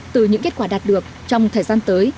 từ những kết quả đạt được trong thời gian tới